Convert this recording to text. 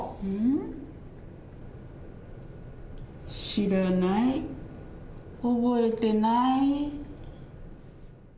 知らない、覚えてない。